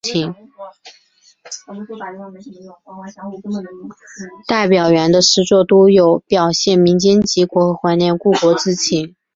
戴表元的诗作多有表现民间疾苦和怀念故国之情。